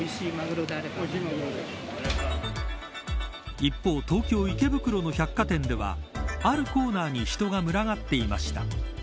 一方、東京、池袋の百貨店ではあるコーナーに人が群がっていました。